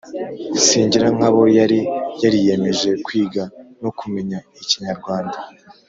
singirankabo yari yariyemeje kwiga no kumenya ikinyarwanda